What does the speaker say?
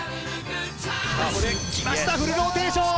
さあ、ここできました、フルローテーション。